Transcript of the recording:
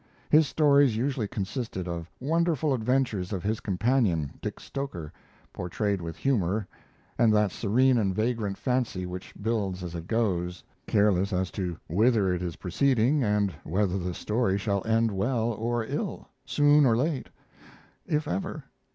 His stories usually consisted of wonderful adventures of his companion, Dick Stoker, portrayed with humor and that serene and vagrant fancy which builds as it goes, careless as to whither it is proceeding and whether the story shall end well or ill, soon or late, if ever.